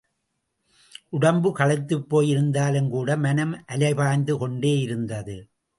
உடம்பு களைத்துப் போய் இருந்தாலும்கூட மனம் அலைபாய்ந்து கொண்டேயிருந்தது.